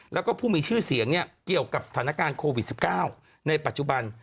แล้วก็ผู้มีชื่อเสียงเกี่ยวกับสถานการณ์โควิด๑๙ในปัจจุบัน